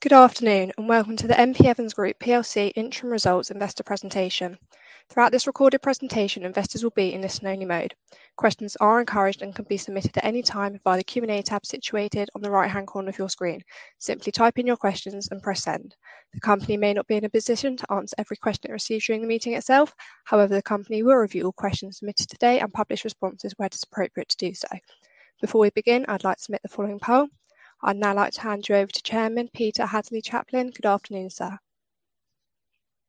Good afternoon, and welcome to the M.P. Evans Group PLC interim results investor presentation. Throughout this recorded presentation, investors will be in listen-only mode. Questions are encouraged and can be submitted at any time via the Q&A tab situated on the right-hand corner of your screen. Simply type in your questions and press Send. The company may not be in a position to answer every question it receives during the meeting itself. However, the company will review all questions submitted today and publish responses where it is appropriate to do so. Before we begin, I'd like to submit the following poll. I'd now like to hand you over to Chairman, Peter Hadsley-Chaplin. Good afternoon, sir.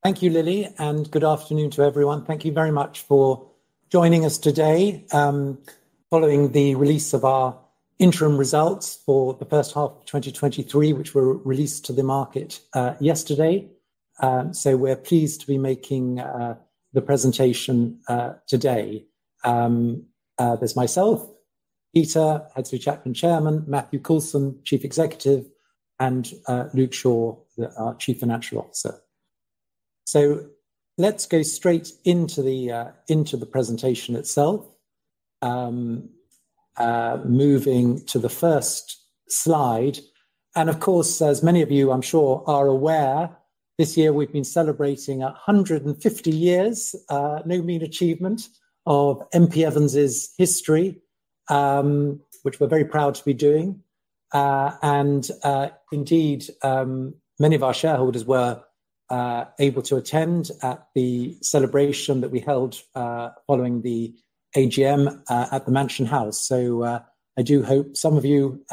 Thank you, Lily, and good afternoon to everyone. Thank you very much for joining us today, following the release of our interim results for the first half of 2023, which were released to the market yesterday. We're pleased to be making the presentation today. There's myself, Peter Hadsley-Chaplin, Chairman, Matthew Coulson, Chief Executive, and Luke Shaw, our Chief Financial Officer. Let's go straight into the presentation itself. Moving to the first slide, and of course, as many of you, I'm sure, are aware, this year we've been celebrating 150 years, no mean achievement of M.P. Evans' history, which we're very proud to be doing. Indeed, many of our shareholders were able to attend at the celebration that we held following the AGM at the Mansion House. So, I do hope some of you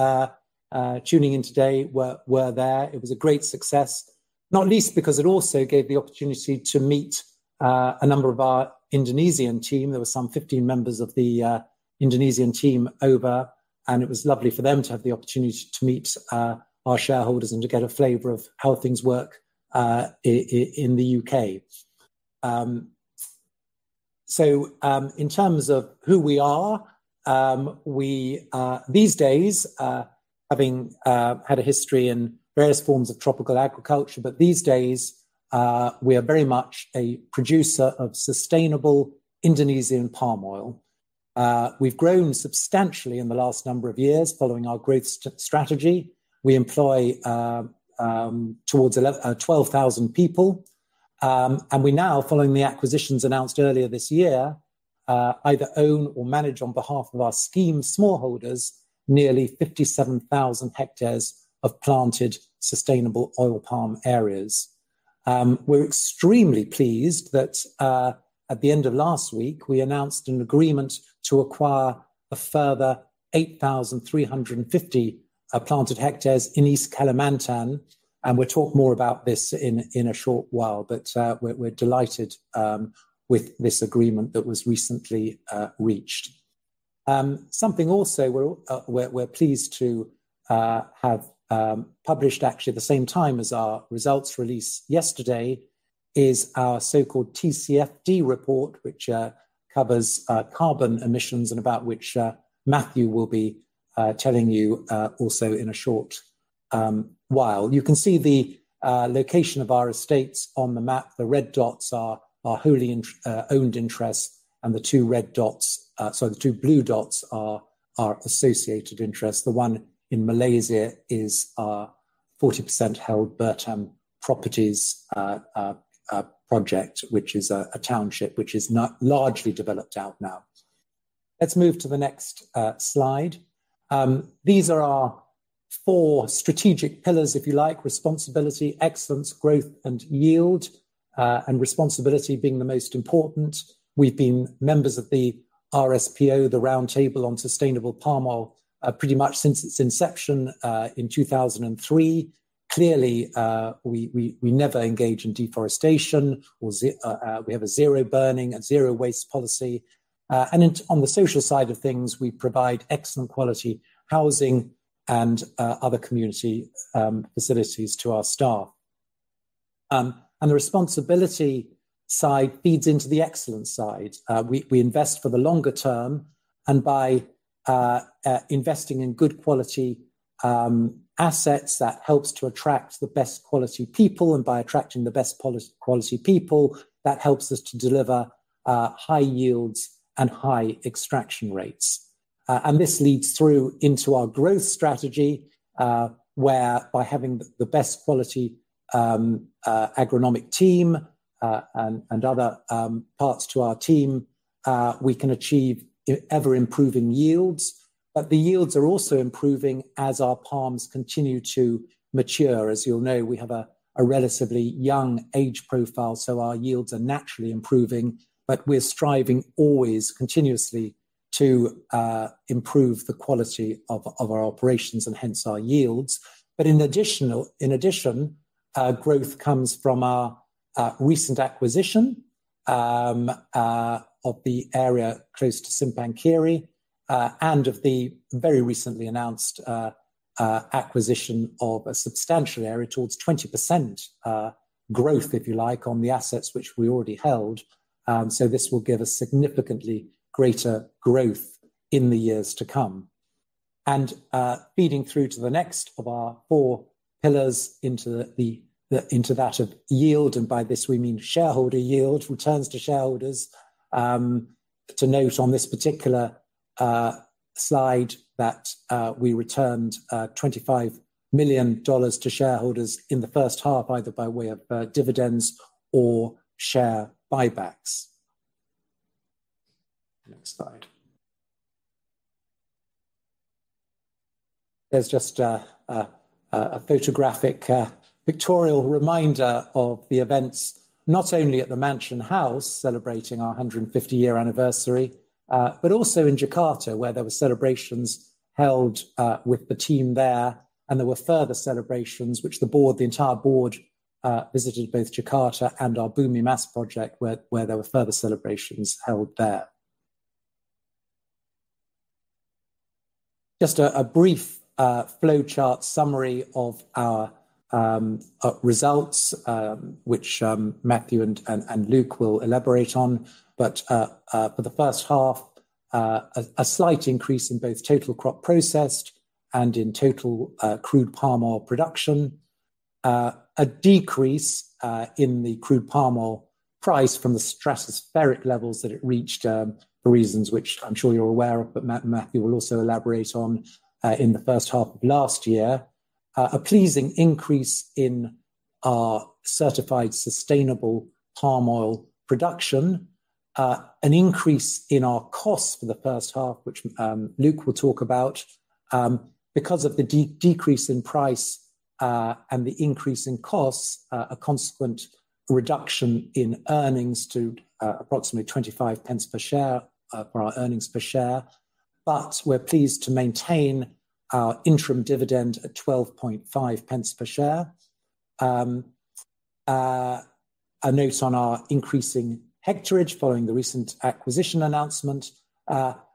tuning in today were there. It was a great success, not least because it also gave the opportunity to meet a number of our Indonesian team. There were some 15 members of the Indonesian team over, and it was lovely for them to have the opportunity to meet our shareholders and to get a flavor of how things work in the U.K. So, in terms of who we are, we these days having had a history in various forms of tropical agriculture, but these days we are very much a producer of sustainable Indonesian palm oil. We've grown substantially in the last number of years following our growth strategy. We employ twelve thousand people, and we now, following the acquisitions announced earlier this year, either own or manage on behalf of our scheme smallholders, nearly 57,000 hectares of planted sustainable oil palm areas. We're extremely pleased that, at the end of last week, we announced an agreement to acquire a further 8,350 planted hectares in East Kalimantan, and we'll talk more about this in a short while, but we're delighted with this agreement that was recently reached. Something also we're pleased to have published actually at the same time as our results release yesterday, is our so-called TCFD report, which covers carbon emissions and about which Matthew will be telling you also in a short while. You can see the location of our estates on the map. The red dots are our wholly owned interests, and the two red dots, sorry, the two blue dots are our associated interests. The one in Malaysia is our 40% held Bertam Properties project, which is a township, which is not largely developed out now. Let's move to the next slide. These are our 4 strategic pillars, if you like: responsibility, excellence, growth, and yield, and responsibility being the most important. We've been members of the RSPO, the Roundtable on Sustainable Palm Oil, pretty much since its inception in 2003. Clearly, we never engage in deforestation, we have a zero burning and zero waste policy, and on the social side of things, we provide excellent quality housing and other community facilities to our staff. The responsibility side feeds into the excellence side. We invest for the longer term, and by investing in good quality assets, that helps to attract the best quality people, and by attracting the best quality people, that helps us to deliver high yields and high extraction rates. And this leads through into our growth strategy, whereby having the best quality agronomic team, and other parts to our team, we can achieve ever improving yields. But the yields are also improving as our palms continue to mature. As you'll know, we have a relatively young age profile, so our yields are naturally improving, but we're striving always continuously to improve the quality of our operations and hence our yields. But in addition, growth comes from our recent acquisition of the area close to Simpang Kiri, and of the very recently announced acquisition of a substantial area, towards 20% growth, if you like, on the assets which we already held. So this will give a significantly greater growth in the years to come. Feeding through to the next of our four pillars into that of yield, and by this we mean shareholder yield, returns to shareholders, to note on this particular slide that we returned $25 million to shareholders in the first half, either by way of dividends or share buybacks. Next slide. There's just a photographic pictorial reminder of the events, not only at the Mansion House, celebrating our 150-year anniversary, but also in Jakarta, where there were celebrations held with the team there, and there were further celebrations, which the board, the entire board, visited both Jakarta and our Bumi Mas project, where there were further celebrations held there. Just a brief flowchart summary of our results, which Matthew and Luke will elaborate on. But for the first half, a slight increase in both total crop processed and in total crude palm oil production. A decrease in the crude palm oil price from the stratospheric levels that it reached for reasons which I'm sure you're aware of, but Matthew will also elaborate on in the first half of last year. A pleasing increase in our certified sustainable palm oil production. An increase in our costs for the first half, which Luke will talk about. Because of the decrease in price and the increase in costs, a consequent reduction in earnings to approximately 0.25 per share for our earnings per share. But we're pleased to maintain our interim dividend at 0.125 per share. A note on our increasing hectareage following the recent acquisition announcement.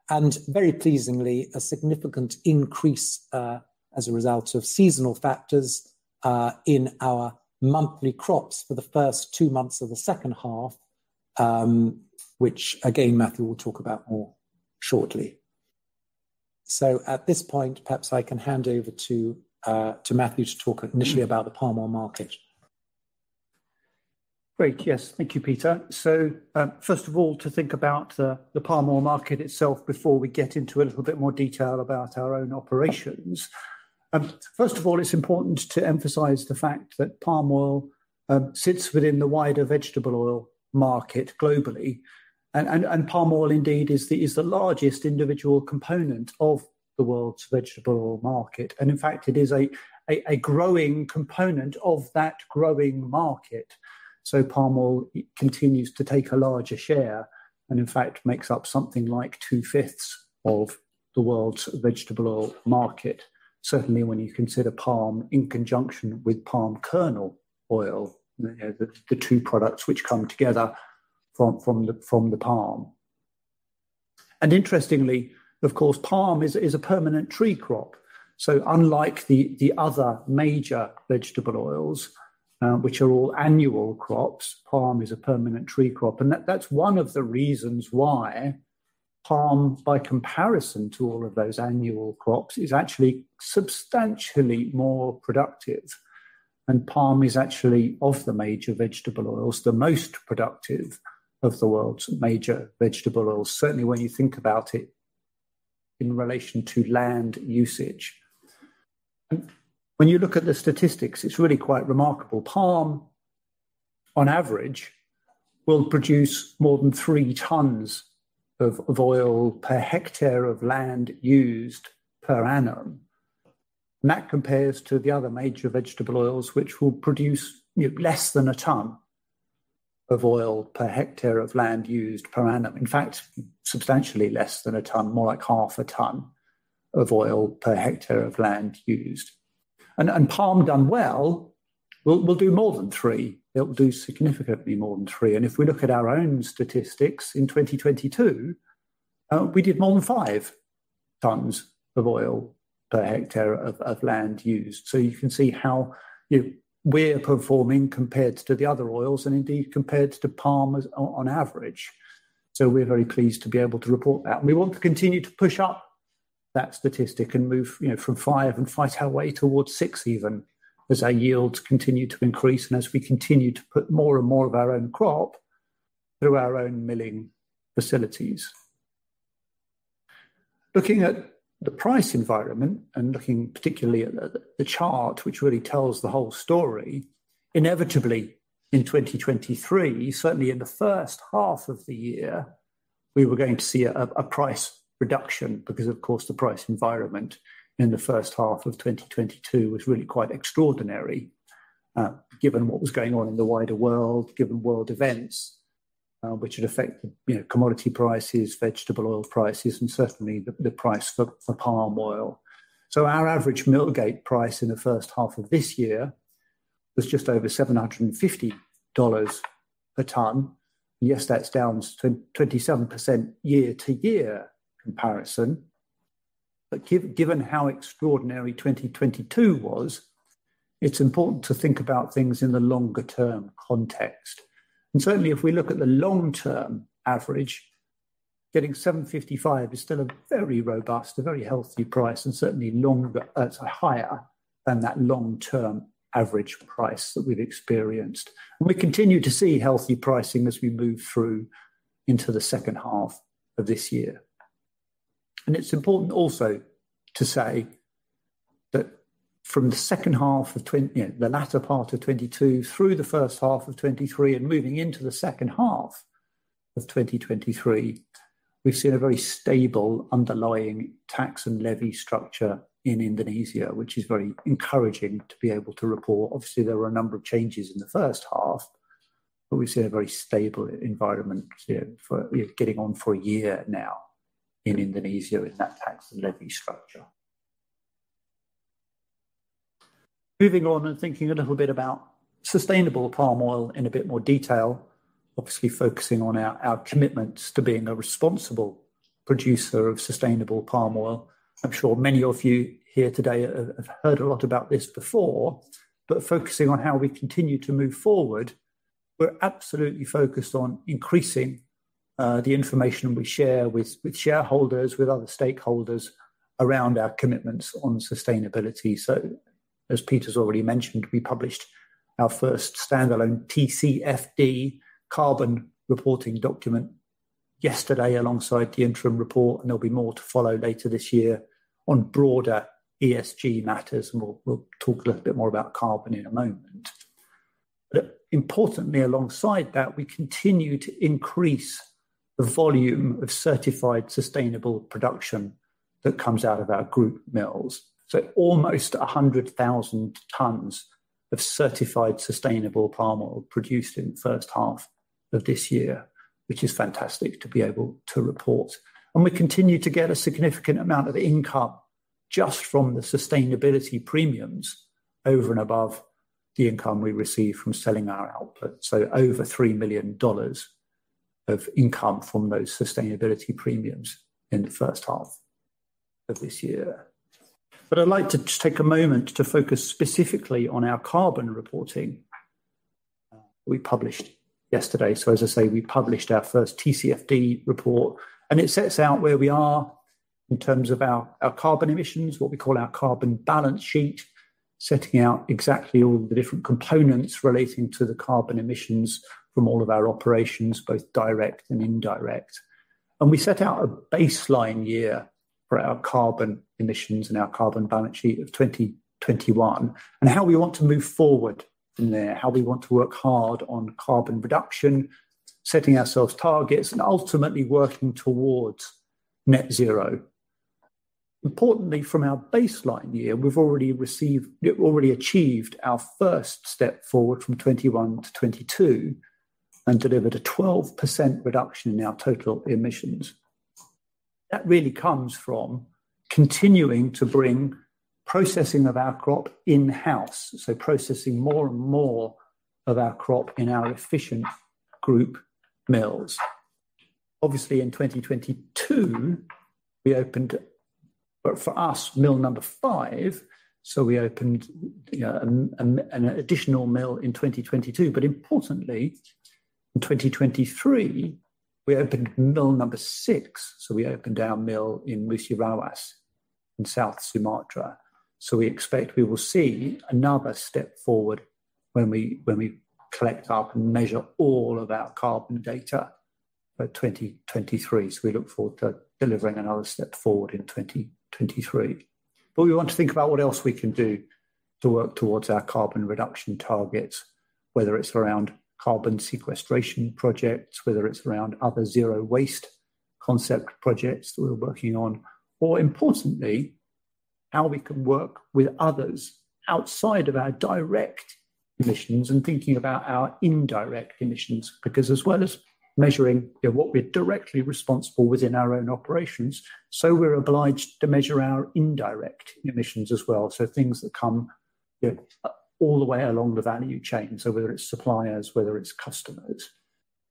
And very pleasingly, a significant increase, as a result of seasonal factors, in our monthly crops for the first two months of the second half, which again, Matthew will talk about more shortly. So at this point, perhaps I can hand over to Matthew to talk initially about the palm oil market. Great. Yes. Thank you, Peter. So, first of all, to think about the palm oil market itself before we get into a little bit more detail about our own operations. First of all, it's important to emphasize the fact that palm oil sits within the wider vegetable oil market globally, and palm oil, indeed, is the largest individual component of the world's vegetable oil market, and in fact, it is a growing component of that growing market. So palm oil continues to take a larger share, and in fact, makes up something like 2/5 of the world's vegetable oil market. Certainly, when you consider palm in conjunction with palm kernel oil, you know, the two products which come together from the palm. And interestingly, of course, palm is a permanent tree crop. So unlike the other major vegetable oils, which are all annual crops, palm is a permanent tree crop, and that's one of the reasons why palm, by comparison to all of those annual crops, is actually substantially more productive. And palm is actually, of the major vegetable oils, the most productive of the world's major vegetable oils, certainly when you think about it in relation to land usage. When you look at the statistics, it's really quite remarkable. Palm, on average, will produce more than 3 tons of oil per hectare of land used per annum, and that compares to the other major vegetable oils, which will produce, you know, less than 1 ton of oil per hectare of land used per annum. In fact, substantially less than 1 ton, more like 0.5 ton of oil per hectare of land used. Palm done well, will do more than 3. It'll do significantly more than 3, and if we look at our own statistics, in 2022, we did more than 5 tons of oil per hectare of land used. So you can see how we're performing compared to the other oils and indeed compared to palms on average. So we're very pleased to be able to report that, and we want to continue to push up that statistic and move, you know, from 5 and fight our way towards 6 even, as our yields continue to increase and as we continue to put more and more of our own crop through our own milling facilities. Looking at the price environment and looking particularly at the chart, which really tells the whole story, inevitably, in 2023, certainly in the first half of the year, we were going to see a price reduction because, of course, the price environment in the first half of 2022 was really quite extraordinary, given what was going on in the wider world, given world events, which had affected, you know, commodity prices, vegetable oil prices, and certainly the price for palm oil. So our average millgate price in the first half of this year was just over $750 per ton. Yes, that's down 27% year-to-year comparison. But given how extraordinary 2022 was, it's important to think about things in the longer term context. Certainly, if we look at the long-term average, getting $755 is still a very robust, a very healthy price, and certainly longer than that long-term average price that we've experienced. We continue to see healthy pricing as we move through into the second half of this year. It's important also to say that from the second half of 2022, yeah, the latter part of 2022 through the first half of 2023, and moving into the second half of 2023, we've seen a very stable underlying tax and levy structure in Indonesia, which is very encouraging to be able to report. Obviously, there were a number of changes in the first half, but we've seen a very stable environment here for, you know, getting on for a year now in Indonesia in that tax and levy structure. Moving on and thinking a little bit about sustainable palm oil in a bit more detail, obviously focusing on our, our commitments to being a responsible producer of sustainable palm oil. I'm sure many of you here today have, have heard a lot about this before, but focusing on how we continue to move forward, we're absolutely focused on increasing the information we share with, with shareholders, with other stakeholders around our commitments on sustainability. So as Peter's already mentioned, we published our first standalone TCFD carbon reporting document yesterday alongside the interim report, and there'll be more to follow later this year on broader ESG matters, and we'll, we'll talk a little bit more about carbon in a moment. But importantly, alongside that, we continue to increase the volume of certified sustainable production that comes out of our group mills. So almost 100,000 tons of certified sustainable palm oil produced in the first half of this year, which is fantastic to be able to report. And we continue to get a significant amount of income just from the sustainability premiums over and above the income we receive from selling our output. So over $3 million of income from those sustainability premiums in the first half of this year. But I'd like to just take a moment to focus specifically on our carbon reporting we published yesterday. So as I say, we published our first TCFD report, and it sets out where we are in terms of our carbon emissions, what we call our carbon balance sheet, setting out exactly all the different components relating to the carbon emissions from all of our operations, both direct and indirect. We set out a baseline year for our carbon emissions and our carbon balance sheet of 2021, and how we want to move forward from there, how we want to work hard on carbon reduction, setting ourselves targets, and ultimately working towards net zero. Importantly, from our baseline year, we've already achieved our first step forward from 2021 to 2022, and delivered a 12% reduction in our total emissions. That really comes from continuing to bring processing of our crop in-house, so processing more and more of our crop in our efficient group mills. Obviously, in 2022, we opened, but for us, mill number five, so we opened, you know, an additional mill in 2022. But importantly, in 2023, we opened mill number six, so we opened our mill in Musi Rawas in South Sumatra. So we expect we will see another step forward when we, when we collect up and measure all of our carbon data by 2023. So we look forward to delivering another step forward in 2023. But we want to think about what else we can do to work towards our carbon reduction targets, whether it's around carbon sequestration projects, whether it's around other zero waste concept projects that we're working on, or importantly, how we can work with others outside of our direct emissions and thinking about our indirect emissions. Because as well as measuring, you know, what we're directly responsible within our own operations, so we're obliged to measure our indirect emissions as well, so things that come, you know, all the way along the value chain, so whether it's suppliers, whether it's customers.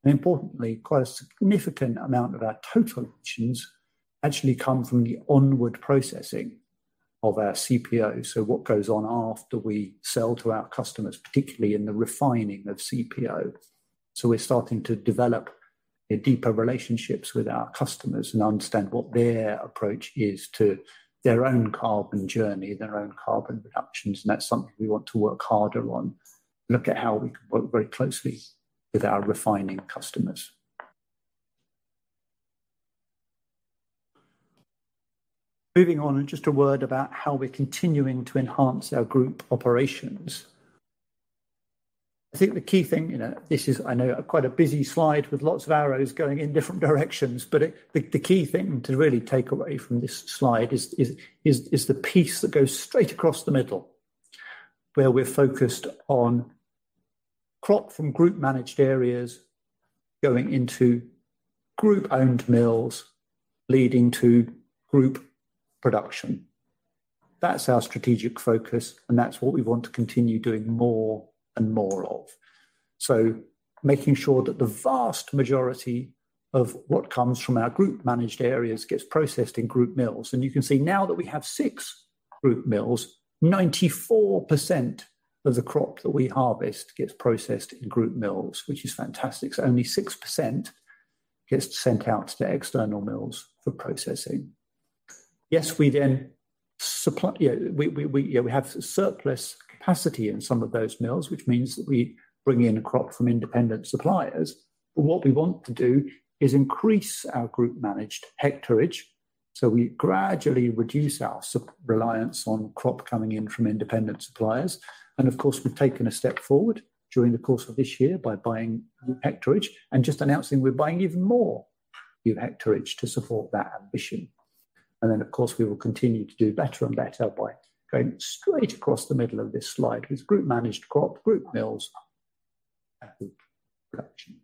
Importantly, quite a significant amount of our total emissions actually come from the onward processing of our CPO. So what goes on after we sell to our customers, particularly in the refining of CPO. So we're starting to develop deeper relationships with our customers and understand what their approach is to their own carbon journey, their own carbon reductions, and that's something we want to work harder on, look at how we can work very closely with our refining customers. Moving on, and just a word about how we're continuing to enhance our group operations. I think the key thing, you know, this is, I know, quite a busy slide with lots of arrows going in different directions, but the key thing to really take away from this slide is the piece that goes straight across the middle, where we're focused on crop from group managed areas going into group-owned mills, leading to group production. That's our strategic focus, and that's what we want to continue doing more and more of. So making sure that the vast majority of what comes from our group managed areas gets processed in group mills. And you can see now that we have 6 group mills, 94% of the crop that we harvest gets processed in group mills, which is fantastic. So only 6% gets sent out to external mills for processing. Yes, we then supply, yeah, we have surplus capacity in some of those mills, which means that we bring in a crop from independent suppliers. But what we want to do is increase our group managed hectareage, so we gradually reduce our reliance on crop coming in from independent suppliers. And of course, we've taken a step forward during the course of this year by buying new hectareage and just announcing we're buying even more new hectareage to support that ambition. And then, of course, we will continue to do better and better by going straight across the middle of this slide with group managed crop, group mills, and group production.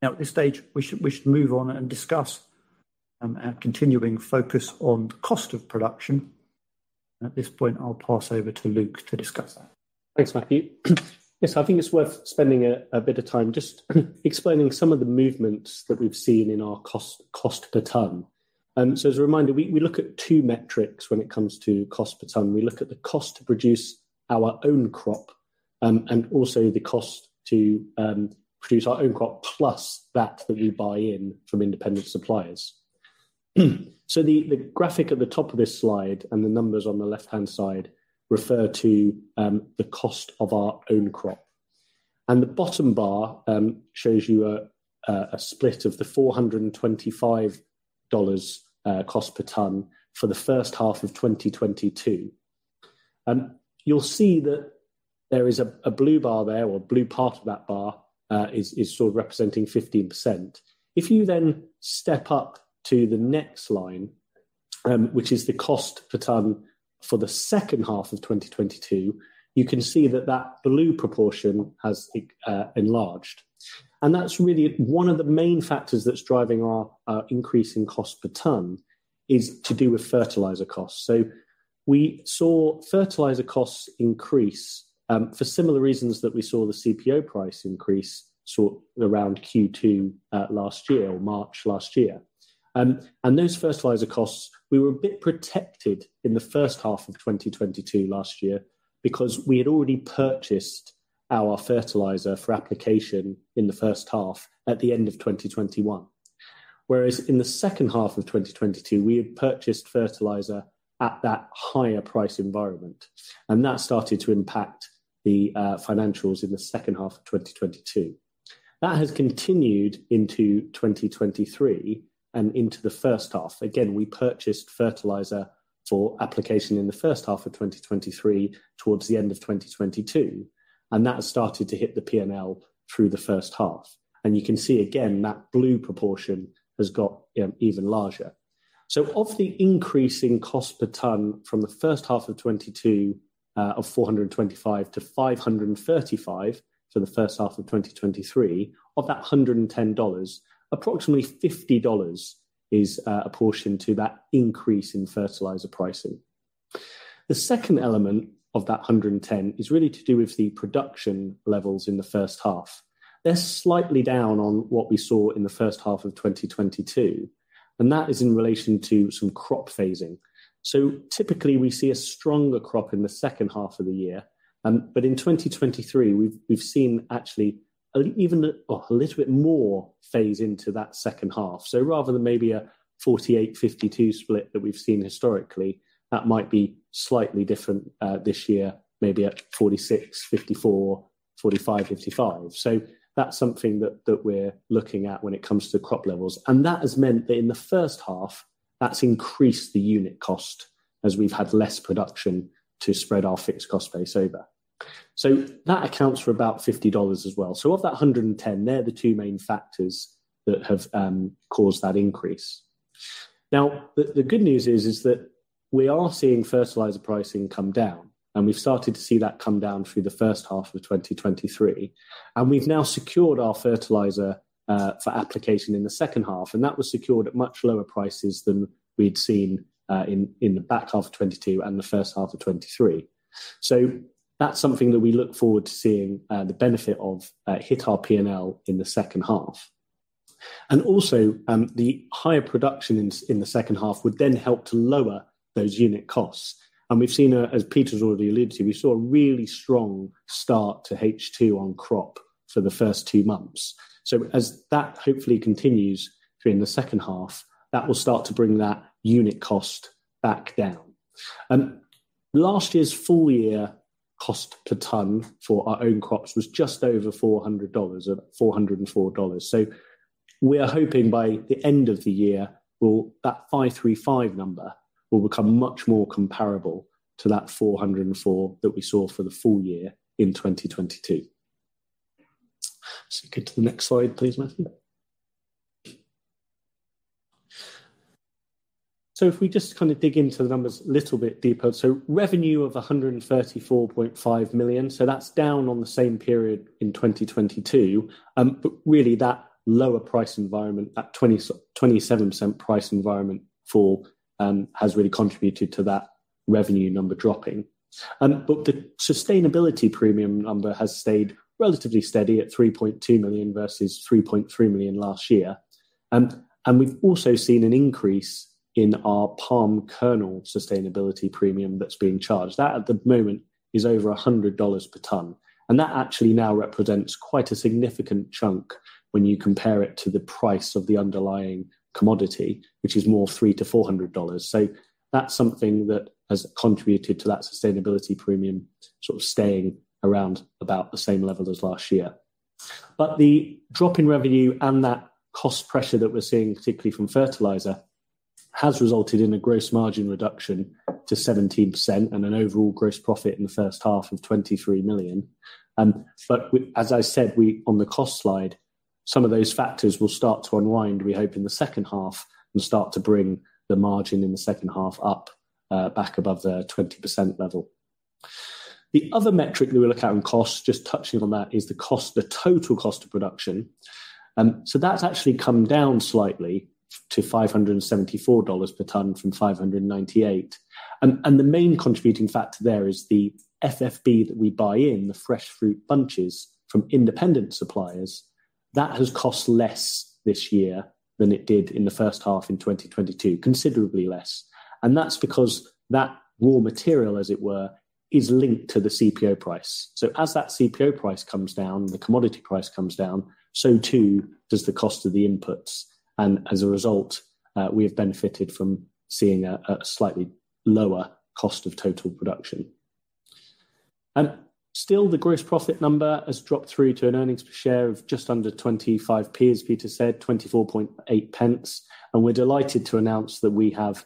Now, at this stage, we should move on and discuss our continuing focus on the cost of production. At this point, I'll pass over to Luke to discuss that. Thanks, Matthew. Yes, I think it's worth spending a bit of time just explaining some of the movements that we've seen in our cost per ton. So as a reminder, we look at two metrics when it comes to cost per ton. We look at the cost to produce our own crop, and also the cost to produce our own crop plus that we buy in from independent suppliers. So the graphic at the top of this slide and the numbers on the left-hand side refer to the cost of our own crop. And the bottom bar shows you a split of the $425 cost per ton for the first half of 2022. You'll see that there is a blue bar there, or blue part of that bar, is sort of representing 15%. If you then step up to the next line, which is the cost per ton for the second half of 2022, you can see that that blue proportion has enlarged. That's really one of the main factors that's driving our increase in cost per ton, is to do with fertilizer costs. So we saw fertilizer costs increase for similar reasons that we saw the CPO price increase sort of around Q2 last year or March last year. Those fertilizer costs, we were a bit protected in the first half of 2022 last year because we had already purchased our fertilizer for application in the first half at the end of 2021. Whereas in the second half of 2022, we had purchased fertilizer at that higher price environment, and that started to impact the financials in the second half of 2022. That has continued into 2023 and into the first half. Again, we purchased fertilizer for application in the first half of 2023 towards the end of 2022, and that has started to hit the P&L through the first half. And you can see again, that blue proportion has got even larger. So of the increasing cost per ton from the first half of 2022 of $425 to $535 for the first half of 2023, of that $110, approximately $50 is apportioned to that increase in fertilizer pricing. The second element of that 110 is really to do with the production levels in the first half. They're slightly down on what we saw in the first half of 2022, and that is in relation to some crop phasing. So typically, we see a stronger crop in the second half of the year, but in 2023, we've seen actually even a little bit more phase into that second half. So rather than maybe a 48-52 split that we've seen historically, that might be slightly different this year, maybe a 46-54, 45-55. So that's something that we're looking at when it comes to crop levels, and that has meant that in the first half, that's increased the unit cost as we've had less production to spread our fixed cost base over. So that accounts for about $50 as well. So of that $110, they're the two main factors that have caused that increase. Now, the good news is that we are seeing fertilizer pricing come down, and we've started to see that come down through the first half of 2023, and we've now secured our fertilizer for application in the second half, and that was secured at much lower prices than we'd seen in the back half of 2022 and the first half of 2023. So that's something that we look forward to seeing the benefit of hit our P&L in the second half. And also, the higher production in the second half would then help to lower those unit costs. And we've seen, as Peter's already alluded to, we saw a really strong start to H2 on crop for the first two months. So as that hopefully continues through in the second half, that will start to bring that unit cost back down. Last year's full year cost per ton for our own crops was just over $400, $404. So we are hoping by the end of the year, well, that 535 number will become much more comparable to that $404 that we saw for the full year in 2022. So get to the next slide, please, Matthew. So if we just kind of dig into the numbers a little bit deeper, so revenue of $134.5 million, so that's down on the same period in 2022. But really that lower price environment, that 27% price environment fall, has really contributed to that revenue number dropping. But the sustainability premium number has stayed relatively steady at $3.2 million versus $3.3 million last year. And, and we've also seen an increase in our palm kernel sustainability premium that's being charged. That, at the moment, is over $100 per ton, and that actually now represents quite a significant chunk when you compare it to the price of the underlying commodity, which is more $300-$400. So that's something that has contributed to that sustainability premium sort of staying around about the same level as last year. But the drop in revenue and that cost pressure that we're seeing, particularly from fertilizer, has resulted in a gross margin reduction to 17% and an overall gross profit in the first half of $23 million. But as I said, we, on the cost slide, some of those factors will start to unwind, we hope, in the second half and start to bring the margin in the second half up, back above the 20% level. The other metric that we look at on cost, just touching on that, is the cost, the total cost of production. So that's actually come down slightly to $574 per ton from $598. And the main contributing factor there is the FFB that we buy in, the fresh fruit bunches, from independent suppliers. That has cost less this year than it did in the first half in 2022, considerably less, and that's because that raw material, as it were, is linked to the CPO price. So as that CPO price comes down, the commodity price comes down, so too does the cost of the inputs, and as a result, we have benefited from seeing a slightly lower cost of total production. And still, the gross profit number has dropped through to an earnings per share of just under 0.25, as Peter said, 0.248, and we're delighted to announce that we have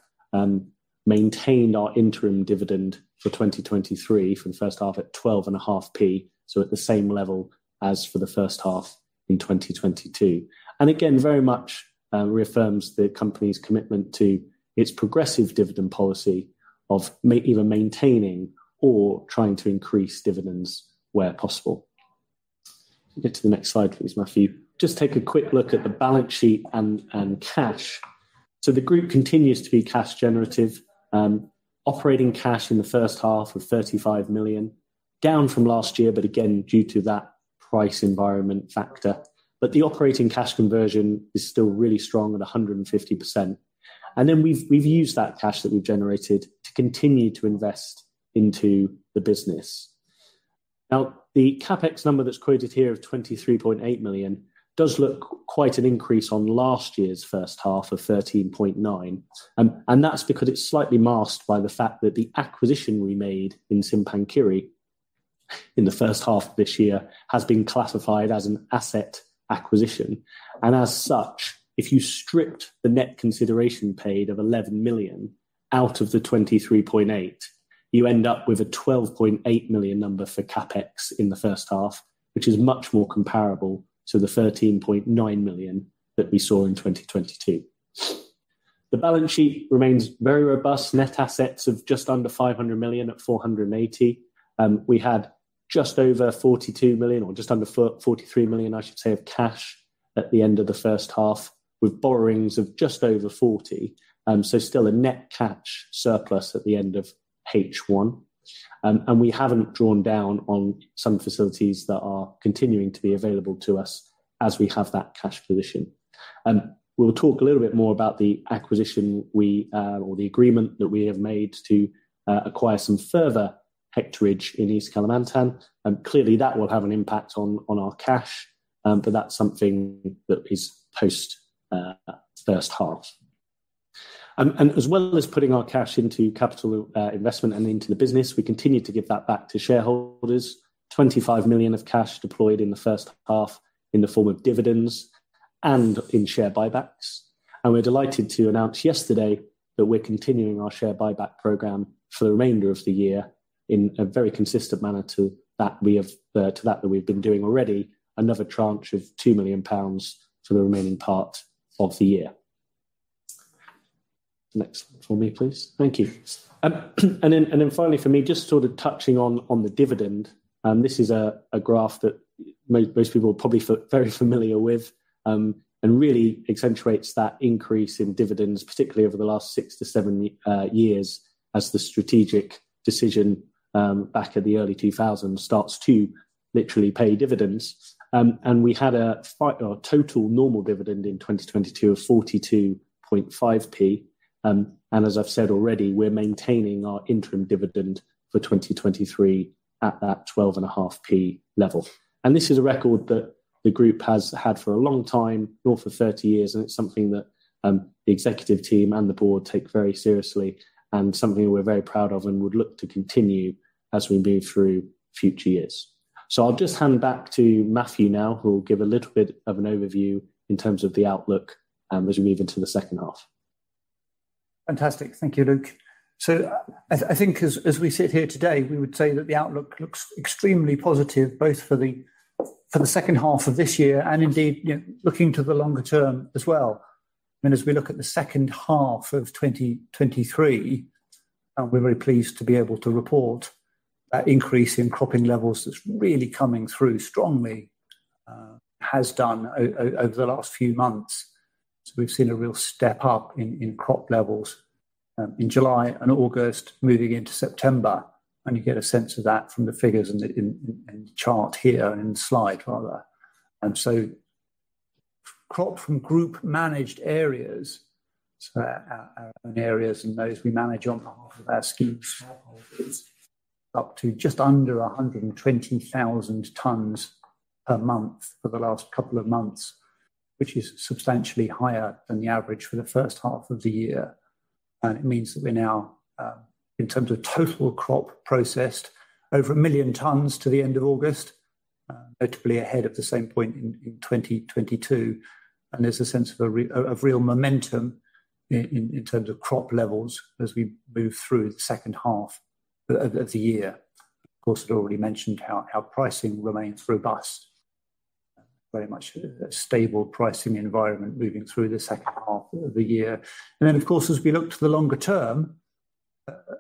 maintained our interim dividend for 2023, for the first half, at 0.125, so at the same level as for the first half in 2022. And again, very much reaffirms the company's commitment to its progressive dividend policy of either maintaining or trying to increase dividends where possible. Get to the next slide, please, Matthew. Just take a quick look at the balance sheet and cash. So the group continues to be cash generative, operating cash in the first half of $35 million, down from last year, but again, due to that price environment factor. But the operating cash conversion is still really strong at 150%. And then we've used that cash that we've generated to continue to invest into the business. Now, the CapEx number that's quoted here of $23.8 million does look quite an increase on last year's first half of $13.9 million, and that's because it's slightly masked by the fact that the acquisition we made in Simpang Kiri in the first half of this year has been classified as an asset acquisition. And as such, if you stripped the net consideration paid of $11 million out of the $23.8 million, you end up with a $12.8 million number for CapEx in the first half, which is much more comparable to the $13.9 million that we saw in 2022. The balance sheet remains very robust, net assets of just under $500 million at 480. We had just over $42 million, or just under $43 million, I should say, of cash at the end of the first half, with borrowings of just over $40 million. So still a net cash surplus at the end of H1. And we haven't drawn down on some facilities that are continuing to be available to us as we have that cash position. We'll talk a little bit more about the acquisition we, or the agreement that we have made to, acquire some further hectarage in East Kalimantan, and clearly, that will have an impact on, on our cash, but that's something that is post, first half. And as well as putting our cash into capital, investment and into the business, we continue to give that back to shareholders. 25 million of cash deployed in the first half in the form of dividends and in share buybacks, and we're delighted to announce yesterday that we're continuing our share buyback program for the remainder of the year in a very consistent manner to that we have, to that we've been doing already, another tranche of 2 million pounds for the remaining part of the year. Next slide for me, please. Thank you. And then finally for me, just sort of touching on the dividend, this is a graph that most people are probably very familiar with, and really accentuates that increase in dividends, particularly over the last 6-7 years, as the strategic decision back in the early 2000s starts to literally pay dividends. And we had a total normal dividend in 2022 of 42.5p, and as I've said already, we're maintaining our interim dividend for 2023 at that 12.5p level. And this is a record that the group has had for a long time, well, for 30 years, and it's something that the executive team and the board take very seriously and something we're very proud of and would look to continue as we move through future years. So I'll just hand back to Matthew now, who will give a little bit of an overview in terms of the outlook as we move into the second half. Fantastic. Thank you, Luke. So I think as we sit here today, we would say that the outlook looks extremely positive, both for the second half of this year and indeed, you know, looking to the longer term as well. And as we look at the second half of 2023, and we're very pleased to be able to report that increase in cropping levels that's really coming through strongly, has done over the last few months. So we've seen a real step up in crop levels.... in July and August, moving into September, and you get a sense of that from the figures in the chart here, in the slide rather. And so crop from group-managed areas, so our own areas and those we manage on behalf of our scheme holders, up to just under 120,000 tons per month for the last couple of months, which is substantially higher than the average for the first half of the year. And it means that we're now in terms of total crop processed, over 1,000,000 tons to the end of August, notably ahead of the same point in 2022. And there's a sense of real momentum in terms of crop levels as we move through the second half of the year. Of course, we already mentioned how pricing remains robust. Very much a stable pricing environment moving through the second half of the year. And then, of course, as we look to the longer term,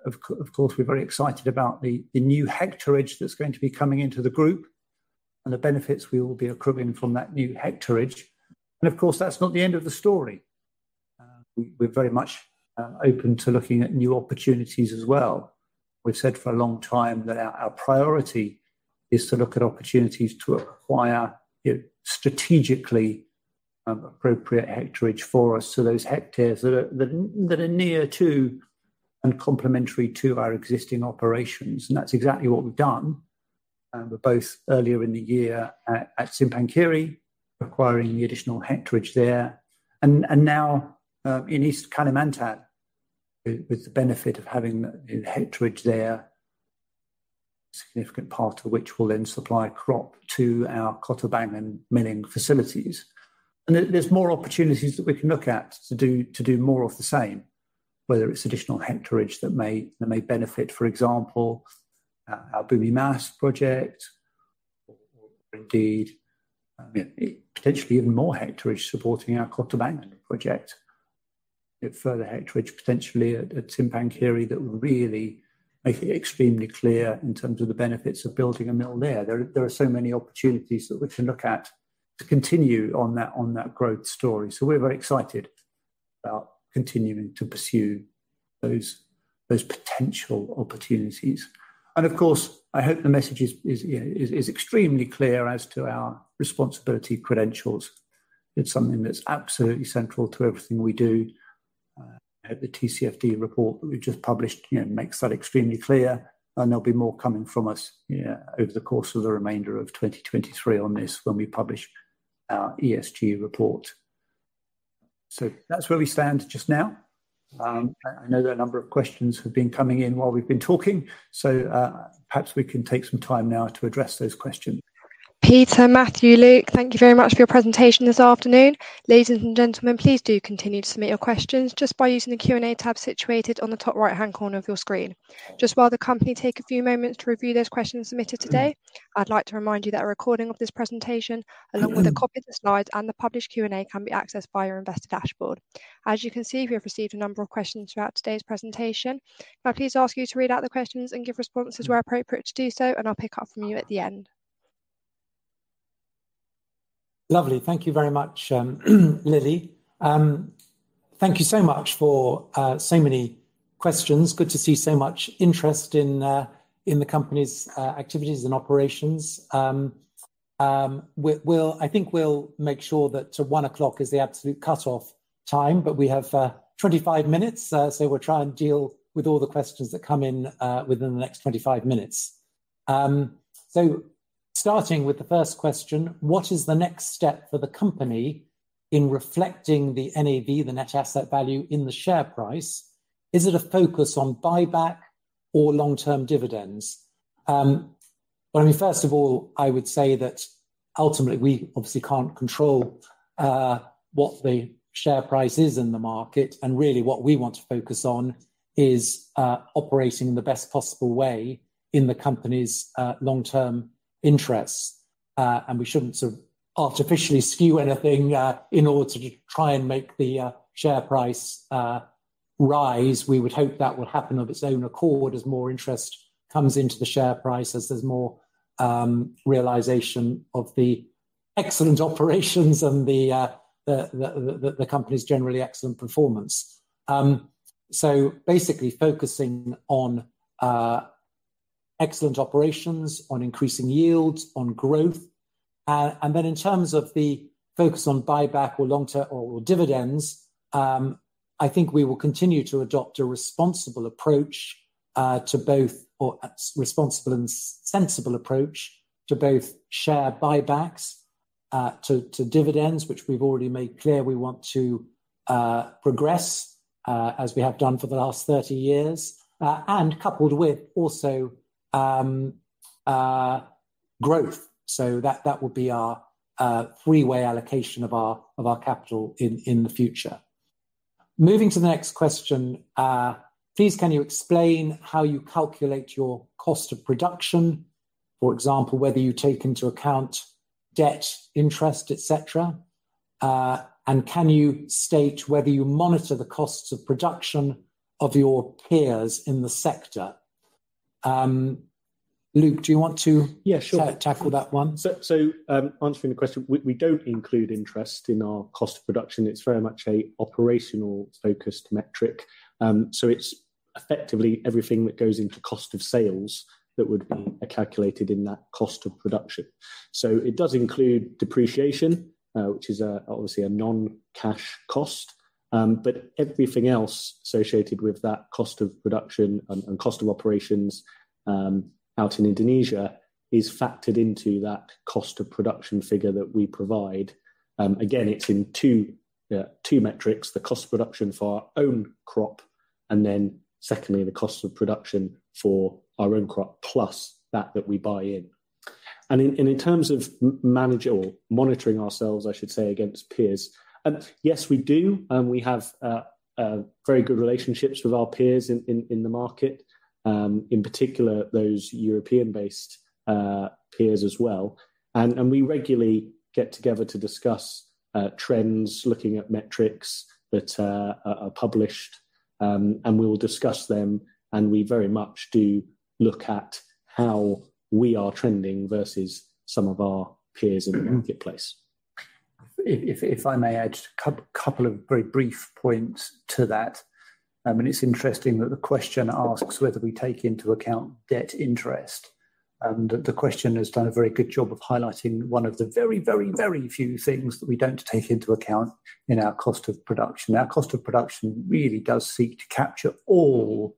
of course, we're very excited about the new hectareage that's going to be coming into the group and the benefits we will be accruing from that new hectareage. And of course, that's not the end of the story. We're very much open to looking at new opportunities as well. We've said for a long time that our priority is to look at opportunities to acquire, you know, strategically appropriate hectareage for us. So those hectares that are near to and complementary to our existing operations, and that's exactly what we've done. But both earlier in the year at Simpang Kiri, acquiring the additional hectareage there, and now in East Kalimantan, with the benefit of having the hectareage there, a significant part of which will then supply crop to our Kota Bangun milling facilities. And there, there's more opportunities that we can look at to do more of the same, whether it's additional hectareage that may benefit, for example, our Bumi Mas project, or indeed, potentially even more hectareage supporting our Kota Bangun project. It further hectareage, potentially a Simpang Kiri that will really make it extremely clear in terms of the benefits of building a mill there. There are so many opportunities that we can look at to continue on that growth story. So we're very excited about continuing to pursue those potential opportunities. Of course, I hope the message is extremely clear as to our responsibility credentials. It's something that's absolutely central to everything we do. At the TCFD report that we've just published, you know, makes that extremely clear, and there'll be more coming from us over the course of the remainder of 2023 on this when we publish our ESG report. So that's where we stand just now. I know there are a number of questions have been coming in while we've been talking, so perhaps we can take some time now to address those questions. Peter, Matthew, Luke, thank you very much for your presentation this afternoon. Ladies and gentlemen, please do continue to submit your questions just by using the Q&A tab situated on the top right-hand corner of your screen. Just while the company take a few moments to review those questions submitted today, I'd like to remind you that a recording of this presentation, along with a copy of the slides and the published Q&A, can be accessed via Investor Dashboard. As you can see, we have received a number of questions throughout today's presentation. Can I please ask you to read out the questions and give responses where appropriate to do so, and I'll pick up from you at the end? Lovely. Thank you very much, Lily. Thank you so much for so many questions. Good to see so much interest in the company's activities and operations. We'll make sure that 1:00 is the absolute cut-off time, but we have 25 minutes, so we'll try and deal with all the questions that come in within the next 25 minutes. So starting with the first question: What is the next step for the company in reflecting the NAV, the net asset value, in the share price? Is it a focus on buyback or long-term dividends? Well, I mean, first of all, I would say that ultimately, we obviously can't control what the share price is in the market, and really, what we want to focus on is operating in the best possible way in the company's long-term interests. And we shouldn't sort of artificially skew anything in order to try and make the share price rise. We would hope that would happen of its own accord as more interest comes into the share price, as there's more realization of the excellent operations and the company's generally excellent performance. So basically, focusing on excellent operations, on increasing yields, on growth. And then in terms of the focus on buyback or long-term or dividends, I think we will continue to adopt a responsible approach to both or a responsible and sensible approach to both share buybacks to dividends, which we've already made clear we want to progress as we have done for the last 30 years and coupled with also growth. So that would be our 3-way allocation of our capital in the future. Moving to the next question: Please, can you explain how you calculate your cost of production? For example, whether you take into account debt, interest, et cetera. And can you state whether you monitor the costs of production of your peers in the sector? Luke, do you want to- Yeah, sure. -tackle that one? So, answering the question, we don't include interest in our cost of production. It's very much a operational focused metric. So it's effectively everything that goes into cost of sales that would be calculated in that cost of production. So it does include depreciation, which is obviously a non-cash cost. But everything else associated with that cost of production and cost of operations out in Indonesia is factored into that cost of production figure that we provide. Again, it's in two metrics, the cost of production for our own crop, and then secondly, the cost of production for our own crop plus that we buy in. And in terms of managing or monitoring ourselves, I should say, against peers, yes, we do, we have very good relationships with our peers in the market, in particular, those European-based peers as well. And we regularly get together to discuss trends, looking at metrics that are published, and we will discuss them, and we very much do look at how we are trending versus some of our peers in the marketplace. If I may add just a couple of very brief points to that. I mean, it's interesting that the question asks whether we take into account debt interest, and the question has done a very good job of highlighting one of the very, very, very few things that we don't take into account in our cost of production. Our cost of production really does seek to capture all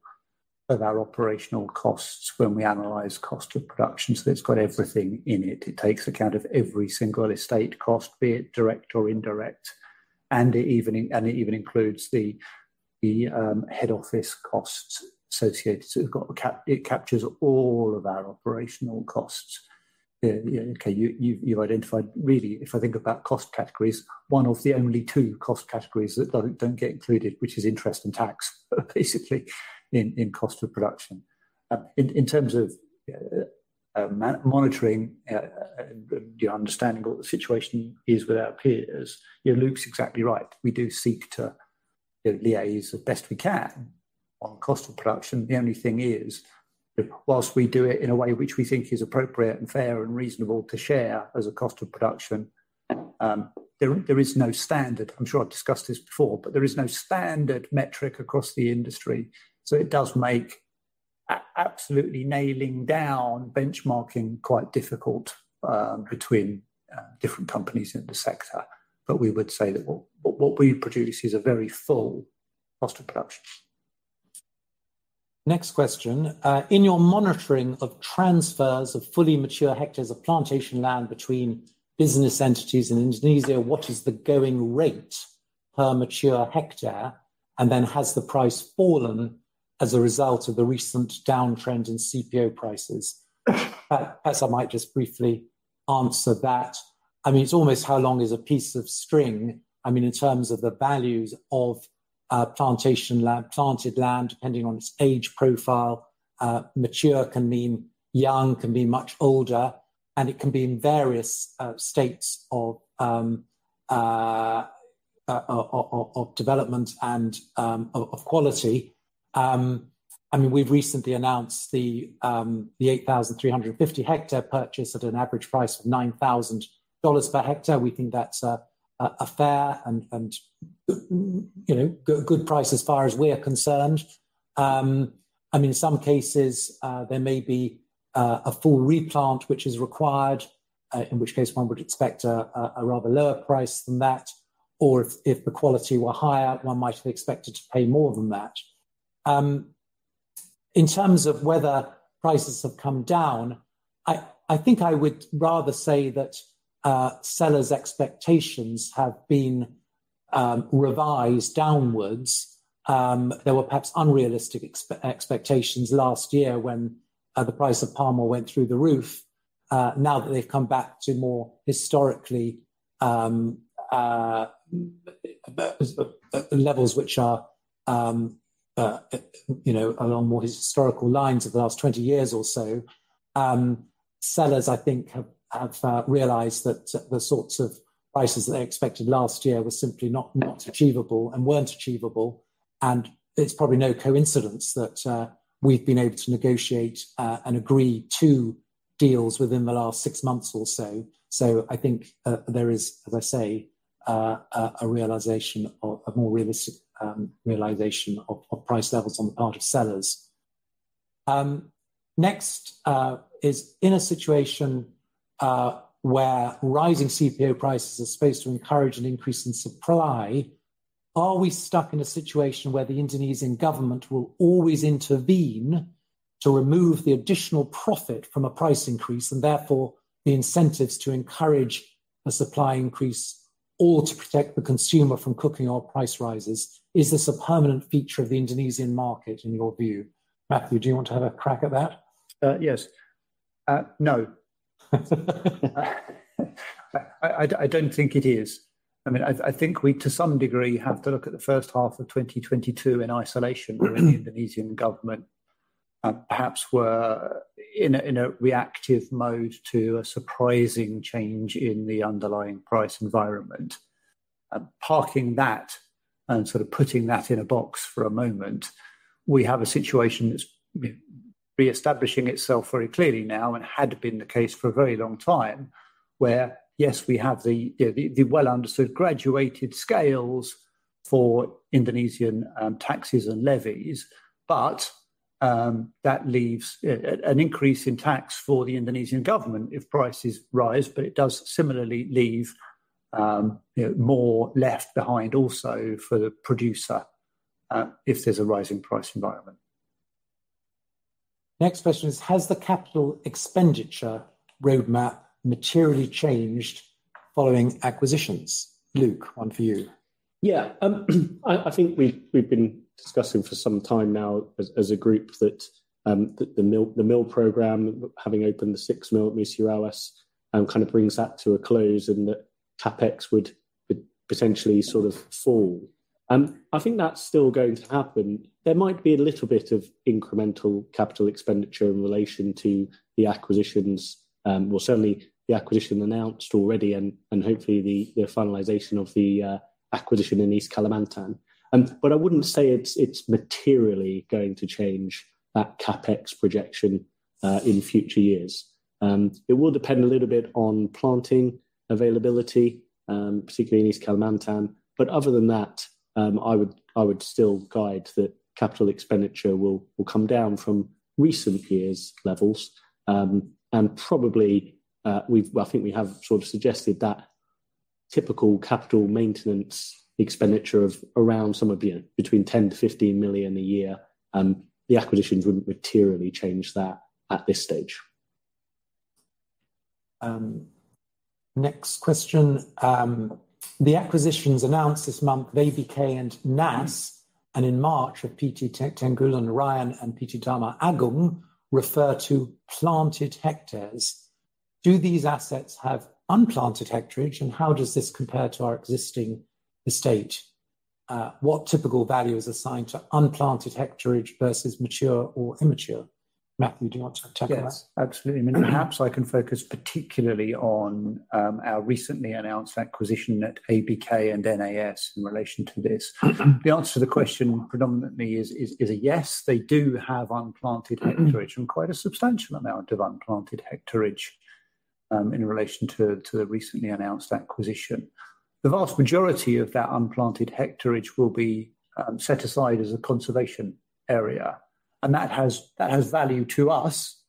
of our operational costs when we analyze cost of production, so it's got everything in it. It takes account of every single estate cost, be it direct or indirect, and it even includes the head office costs associated. So it captures all of our operational costs. Yeah, okay, you've identified, really, if I think about cost categories, one of the only two cost categories that don't get included, which is interest and tax, basically, in cost of production. In terms of monitoring the understanding of what the situation is with our peers, you know, Luke's exactly right. We do seek to liaise as best we can on cost of production. The only thing is, while we do it in a way which we think is appropriate, and fair, and reasonable to share as a cost of production, there is no standard. I'm sure I've discussed this before, but there is no standard metric across the industry, so it does make absolutely nailing down benchmarking quite difficult, between different companies in the sector. But we would say that what, what we produce is a very full cost of production. Next question. "In your monitoring of transfers of fully mature hectares of plantation land between business entities in Indonesia, what is the going rate per mature hectare? And then has the price fallen as a result of the recent downtrend in CPO prices?" As I might just briefly answer that, I mean, it's almost how long is a piece of string, I mean, in terms of the values of plantation land, planted land, depending on its age profile. Mature can mean young, can mean much older, and it can be in various states of development and of quality. I mean, we've recently announced the 8,350-hectare purchase at an average price of $9,000 per hectare. We think that's a fair and, you know, good price as far as we are concerned. I mean, in some cases, there may be a full replant, which is required, in which case one would expect a rather lower price than that, or if the quality were higher, one might have expected to pay more than that. In terms of whether prices have come down, I think I would rather say that sellers' expectations have been revised downwards. There were perhaps unrealistic expectations last year when the price of palm oil went through the roof. Now that they've come back to more historically levels which are, you know, along more historical lines of the last 20 years or so, sellers, I think, have, have realized that the sorts of prices they expected last year were simply not, not achievable and weren't achievable. It's probably no coincidence that we've been able to negotiate and agree to deals within the last six months or so. I think there is, as I say, a, a realization of... a more realistic realization of price levels on the part of sellers. Next, is: "In a situation where rising CPO prices are supposed to encourage an increase in supply, are we stuck in a situation where the Indonesian government will always intervene to remove the additional profit from a price increase, and therefore the incentives to encourage a supply increase or to protect the consumer from cooking oil price rises? Is this a permanent feature of the Indonesian market, in your view?" Matthew, do you want to have a crack at that? Yes. No. I don't think it is. I mean, I think we, to some degree, have to look at the first half of 2022 in isolation, where the Indonesian government perhaps were in a reactive mode to a surprising change in the underlying price environment.... parking that and sort of putting that in a box for a moment, we have a situation that's re-establishing itself very clearly now, and had been the case for a very long time, where, yes, we have the well-understood graduated scales for Indonesian taxes and levies, but that leaves an increase in tax for the Indonesian government if prices rise, but it does similarly leave, you know, more left behind also for the producer if there's a rise in price environment. Next question is: Has the capital expenditure roadmap materially changed following acquisitions? Luke, one for you. Yeah, I think we've been discussing for some time now as a group that the mill program, having opened the sixth mill at Musi Rawas, kind of brings that to a close, and that CapEx would potentially sort of fall. I think that's still going to happen. There might be a little bit of incremental capital expenditure in relation to the acquisitions, well, certainly the acquisition announced already and hopefully the finalization of the acquisition in East Kalimantan. But I wouldn't say it's materially going to change that CapEx projection in future years. It will depend a little bit on planting availability, particularly in East Kalimantan, but other than that, I would still guide that capital expenditure will come down from recent years' levels. Probably, well, I think we have sort of suggested that typical capital maintenance expenditure of around some of the, between $10 million-$15 million a year, the acquisitions wouldn't materially change that at this stage. Next question. The acquisitions announced this month, ABK and NAS, and in March of PT Teunggulon Raya and PT Dharma Agung, refer to planted hectares. Do these assets have unplanted hectarage, and how does this compare to our existing estate? What typical value is assigned to unplanted hectarage versus mature or immature? Matthew, do you want to tackle that? Yes, absolutely. Perhaps I can focus particularly on our recently announced acquisition at ABK and NAS in relation to this. The answer to the question predominantly is a yes, they do have unplanted hectareage and quite a substantial amount of unplanted hectareage in relation to the recently announced acquisition. The vast majority of that unplanted hectareage will be set aside as a conservation area, and that has value to us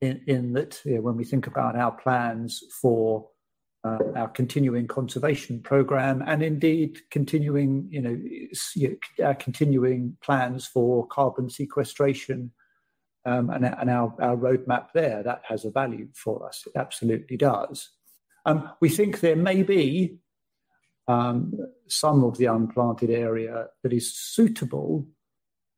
in that, when we think about our plans for our continuing conservation program, and indeed continuing, you know, continuing plans for carbon sequestration, and our and our roadmap there, that has a value for us. It absolutely does. We think there may be some of the unplanted area that is suitable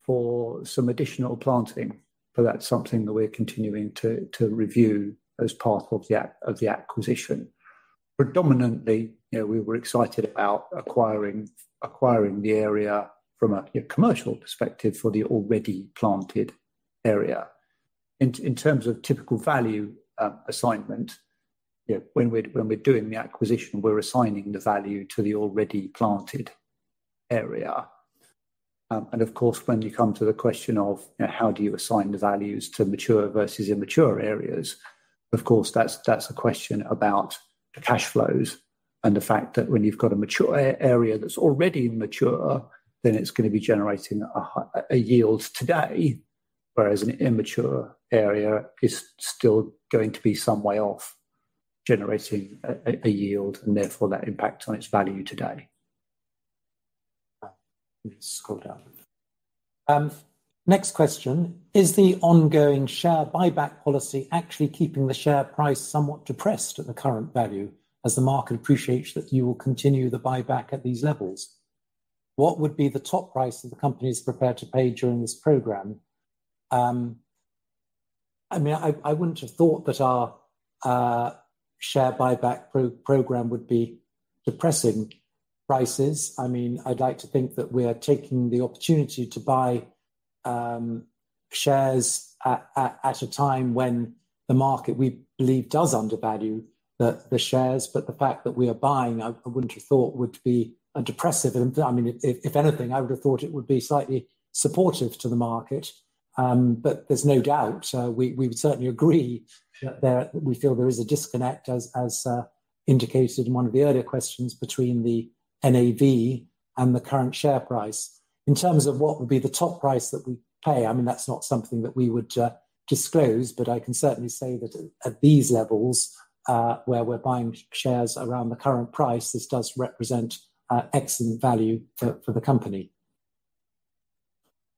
for some additional planting, but that's something that we're continuing to review as part of the acquisition. Predominantly, you know, we were excited about acquiring the area from a commercial perspective for the already planted area. In terms of typical value assignment, you know, when we're doing the acquisition, we're assigning the value to the already planted area. And of course, when you come to the question of, you know, how do you assign the values to mature versus immature areas, of course, that's a question about the cash flows and the fact that when you've got a mature area that's already mature, then it's gonna be generating a high yield today, whereas an immature area is still going to be some way off generating a yield, and therefore that impact on its value today. Scroll down. Next question: Is the ongoing share buyback policy actually keeping the share price somewhat depressed at the current value, as the market appreciates that you will continue the buyback at these levels? What would be the top price that the company is prepared to pay during this program? I mean, I wouldn't have thought that our share buyback program would be depressing prices. I mean, I'd like to think that we are taking the opportunity to buy shares at a time when the market, we believe, does undervalue the shares. But the fact that we are buying, I wouldn't have thought would be a depressive. And I mean, if anything, I would have thought it would be slightly supportive to the market. But there's no doubt, we would certainly agree that there, we feel there is a disconnect, as indicated in one of the earlier questions, between the NAV and the current share price. In terms of what would be the top price that we pay, I mean, that's not something that we would disclose, but I can certainly say that at these levels, where we're buying shares around the current price, this does represent excellent value for the company.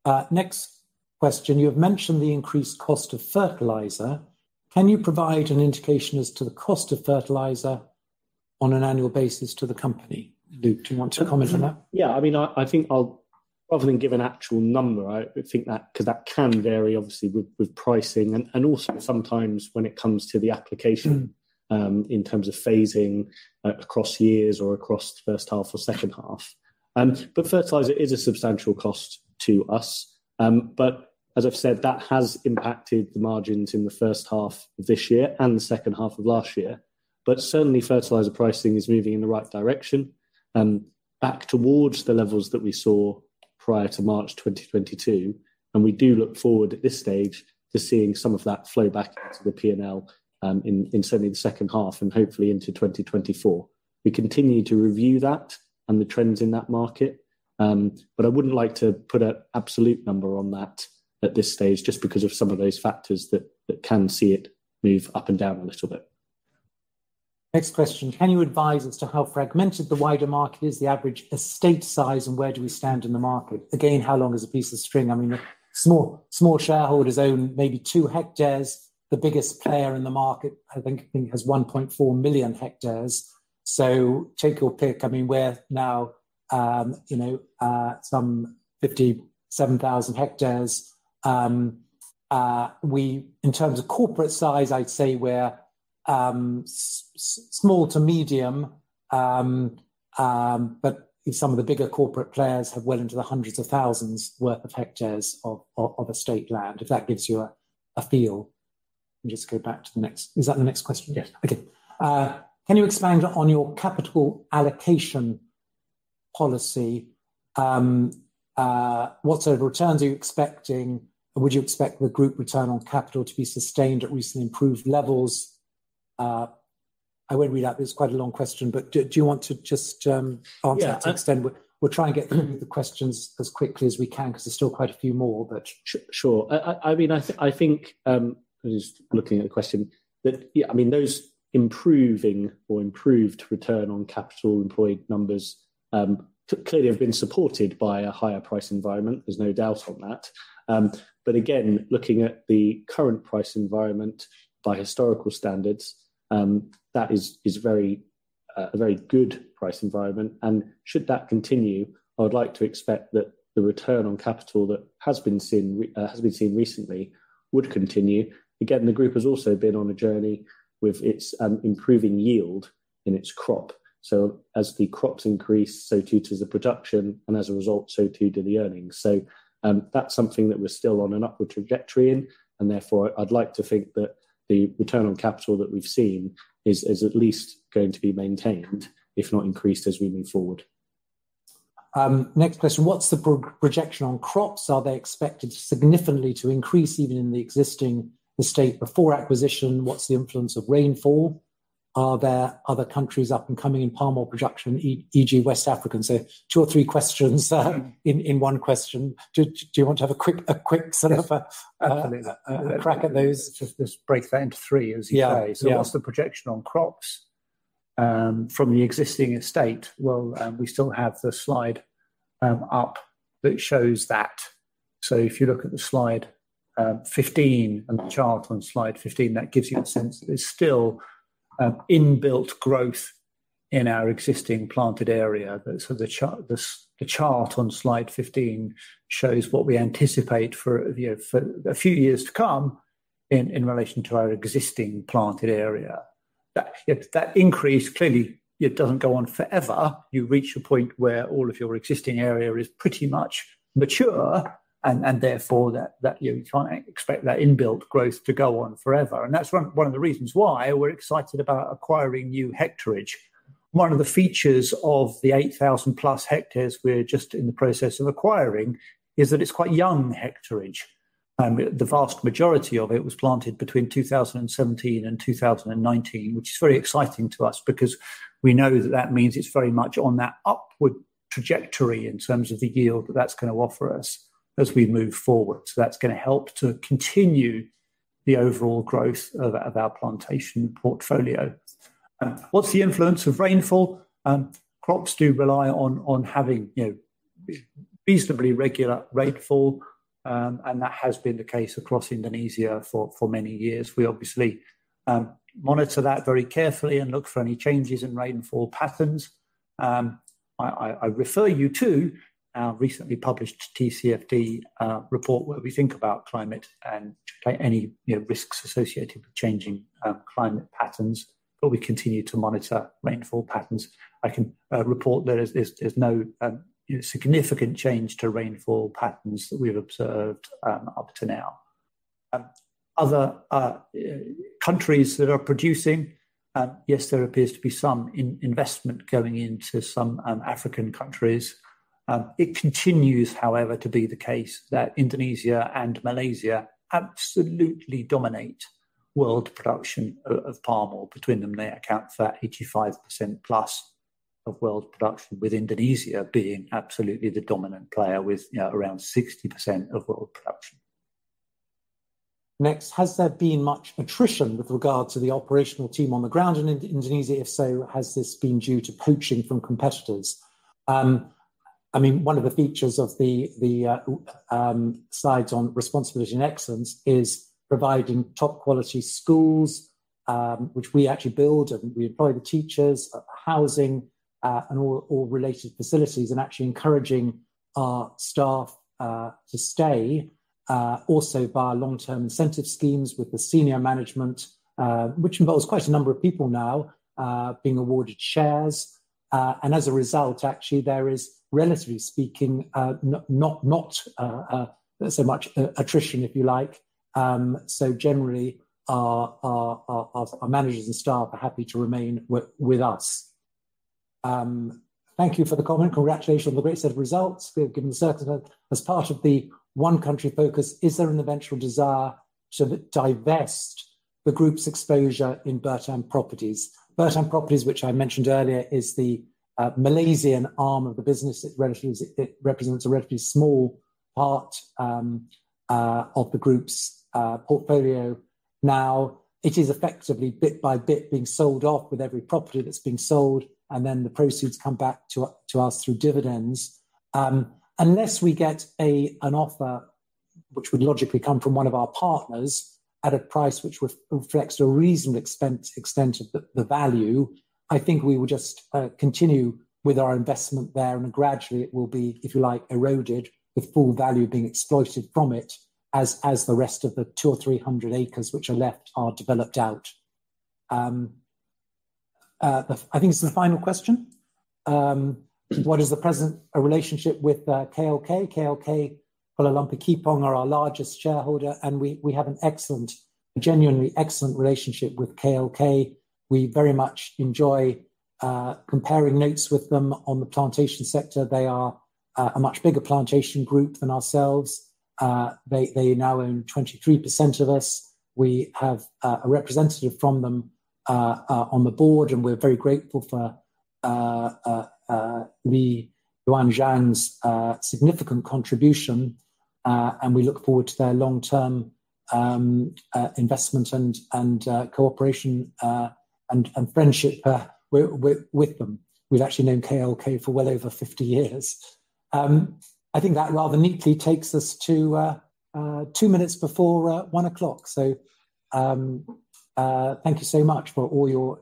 Next question: You have mentioned the increased cost of fertilizer. Can you provide an indication as to the cost of fertilizer on an annual basis to the company? Luke, do you want to comment on that? Yeah, I mean, I think I'll... other than give an actual number, I think that, 'cause that can vary obviously with pricing and also sometimes when it comes to the application- Mm... in terms of phasing, across years or across the first half or second half. But fertilizer is a substantial cost to us. But as I've said, that has impacted the margins in the first half of this year and the second half of last year. But certainly, fertilizer pricing is moving in the right direction, back towards the levels that we saw prior to March 2022, and we do look forward at this stage to seeing some of that flow back into the P&L, in certainly the second half and hopefully into 2024. We continue to review that and the trends in that market, but I wouldn't like to put an absolute number on that at this stage, just because of some of those factors that can see it move up and down a little bit. Next question: Can you advise as to how fragmented the wider market is, the average estate size, and where do we stand in the market? Again, how long is a piece of string? I mean, smallholders own maybe 2 hectares. The biggest player in the market, I think, has 1.4 million hectares. So take your pick. I mean, we're now, you know, some 57,000 hectares. We in terms of corporate size, I'd say we're small to medium, but some of the bigger corporate players have well into the hundreds of thousands worth of hectares of estate land, if that gives you a feel. Just go back to the next... Is that the next question? Yes. Okay. Can you expand on your capital allocation policy? What sort of returns are you expecting, or would you expect the group return on capital to be sustained at recently improved levels? I won't read out, it's quite a long question, but do you want to just answer that to extent? Yeah. We'll try and get the questions as quickly as we can, 'cause there's still quite a few more, but- Sure. I mean, I think, I'm just looking at the question, that, yeah, I mean, those improving or improved return on capital employed numbers clearly have been supported by a higher price environment. There's no doubt on that. But again, looking at the current price environment by historical standards, that is a very good price environment, and should that continue, I would like to expect that the return on capital that has been seen recently would continue. Again, the group has also been on a journey with its improving yield in its crop. So as the crops increase, so too does the production, and as a result, so too do the earnings. That's something that we're still on an upward trajectory in, and therefore, I'd like to think that the return on capital that we've seen is at least going to be maintained, if not increased as we move forward. Next question: What's the projection on crops? Are they expected significantly to increase even in the existing estate before acquisition? What's the influence of rainfall? Are there other countries up and coming in palm oil production, e.g., West Africa? So two or three questions in one question. Do you want to have a quick sort of a- Absolutely. crack at those? Just, just break that into three, as you say. Yeah, yeah. So what's the projection on crops from the existing estate? Well, we still have the slide up that shows that. So if you look at the slide 15 and the chart on slide 15, that gives you a sense. There's still inbuilt growth in our existing planted area. But so the chart on slide 15 shows what we anticipate for, you know, for a few years to come in relation to our existing planted area. That increase, clearly, it doesn't go on forever. You reach a point where all of your existing area is pretty much mature and therefore that you can't expect that inbuilt growth to go on forever, and that's one of the reasons why we're excited about acquiring new hectarage. One of the features of the 8,000+ hectares we're just in the process of acquiring is that it's quite young hectarage. The vast majority of it was planted between 2017 and 2019, which is very exciting to us because we know that that means it's very much on that upward trajectory in terms of the yield that's gonna offer us as we move forward. So that's gonna help to continue the overall growth of our plantation portfolio. What's the influence of rainfall? Crops do rely on having, you know, reasonably regular rainfall, and that has been the case across Indonesia for many years. We obviously monitor that very carefully and look for any changes in rainfall patterns. I refer you to our recently published TCFD report, where we think about climate and any, you know, risks associated with changing climate patterns, but we continue to monitor rainfall patterns. I can report there is no significant change to rainfall patterns that we've observed up to now. Other countries that are producing, yes, there appears to be some investment going into some African countries. It continues, however, to be the case that Indonesia and Malaysia absolutely dominate world production of palm oil. Between them, they account for 85% plus of world production, with Indonesia being absolutely the dominant player with, you know, around 60% of world production. Next, has there been much attrition with regard to the operational team on the ground in Indonesia? If so, has this been due to poaching from competitors? I mean, one of the features of the slides on responsibility and excellence is providing top-quality schools, which we actually build, and we employ the teachers, housing, and all related facilities, and actually encouraging our staff to stay. Also via long-term incentive schemes with the senior management, which involves quite a number of people now, being awarded shares. And as a result, actually, there is, relatively speaking, not so much attrition, if you like. So generally, our managers and staff are happy to remain with us. Thank you for the comment. Congratulations on the great set of results we have given, sir. As part of the one country focus, is there an eventual desire to divest the group's exposure in Bertam Properties?" Bertam Properties, which I mentioned earlier, is the Malaysian arm of the business. It relatively represents a relatively small part of the group's portfolio. Now, it is effectively, bit by bit, being sold off with every property that's being sold, and then the proceeds come back to us through dividends. Unless we get an offer, which would logically come from one of our partners, at a price which reflects a reasonable expense, extent of the value, I think we will just continue with our investment there, and gradually it will be, if you like, eroded, with full value being exploited from it as the rest of the 200 or 300 acres which are left are developed out. I think this is the final question. "What is the present relationship with KLK? KLK, Kuala Lumpur Kepong, are our largest shareholder, and we have an excellent, genuinely excellent relationship with KLK. We very much enjoy comparing notes with them on the plantation sector. They are a much bigger plantation group than ourselves. They now own 23% of us. We have a representative from them on the board, and we're very grateful for Lee Yuan Zhang's significant contribution, and we look forward to their long-term investment and cooperation and friendship with them. We've actually known KLK for well over 50 years. I think that rather neatly takes us to two minutes before one o'clock. So, thank you so much for all your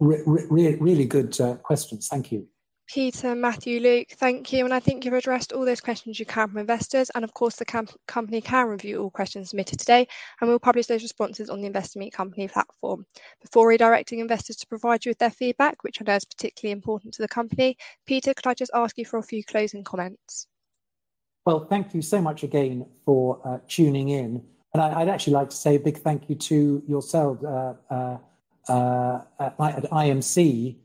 really good questions. Thank you. Peter, Matthew, Luke, thank you, and I think you've addressed all those questions you can from investors, and of course, the company can review all questions submitted today, and we'll publish those responses on the Investor Meet Company platform. Before redirecting investors to provide you with their feedback, which I know is particularly important to the company, Peter, could I just ask you for a few closing comments? Well, thank you so much again for tuning in, and I'd actually like to say a big thank you to yourself at IMC.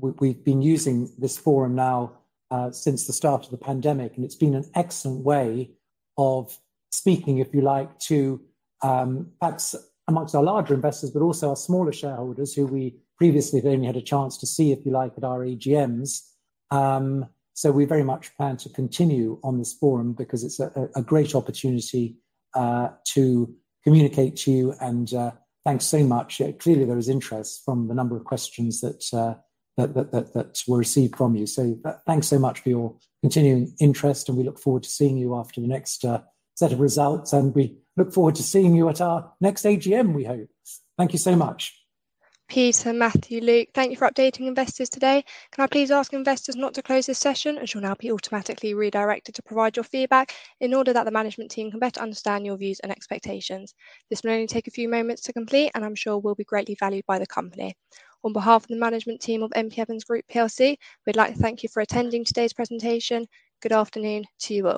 We've been using this forum now since the start of the pandemic, and it's been an excellent way of speaking, if you like, to perhaps amongst our larger investors, but also our smaller shareholders, who we previously have only had a chance to see, if you like, at our AGMs. So we very much plan to continue on this forum because it's a great opportunity to communicate to you, and thanks so much. Clearly, there is interest from the number of questions that were received from you. So thanks so much for your continuing interest, and we look forward to seeing you after the next set of results, and we look forward to seeing you at our next AGM, we hope. Thank you so much. Peter, Matthew, Luke, thank you for updating investors today. Can I please ask investors not to close this session, as you'll now be automatically redirected to provide your feedback in order that the management team can better understand your views and expectations. This may only take a few moments to complete, and I'm sure will be greatly valued by the company. On behalf of the management team of M.P. Evans Group PLC, we'd like to thank you for attending today's presentation. Good afternoon to you all.